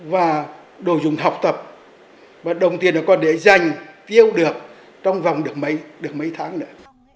và đồ dùng học tập và đồng tiền còn để dành tiêu được trong vòng được mấy tháng nữa